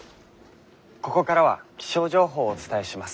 ここからは気象情報をお伝えします。